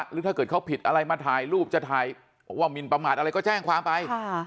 หรือถ้าเกิดเขาผิดอะไรมาถ่ายรูปจะถ่ายว่ามินประมาทอะไรก็แจ้งความไป